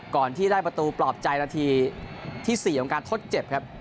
ก่อนที่ได้ประตูปลอบใจนาทีที่๔ของการทดเจ็บครับ